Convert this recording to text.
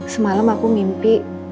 semalam aku mimpi